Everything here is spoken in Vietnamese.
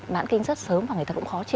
mãn kinh rất sớm và người ta cũng khó chịu